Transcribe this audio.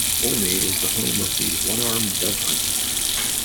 Olney is the home of the One-Arm Dove Hunt.